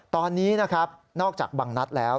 ตอนนี้นะครับนอกจากบังนัดแล้ว